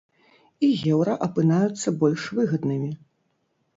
І еўра апынаюцца больш выгаднымі!